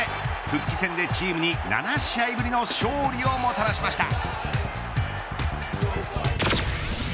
復帰戦でチームに７試合ぶりの勝利をもたらしました。